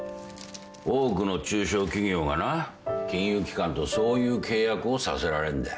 多くの中小企業がな金融機関とそういう契約をさせられんだよ。